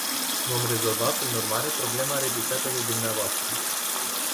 Vom rezolva, prin urmare, problema ridicată de dvs.